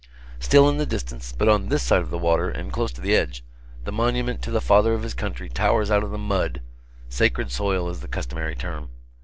Still in the distance, but on this side of the water and close to its edge, the Monument to the Father of his Country towers out of the mud sacred soil is the customary term.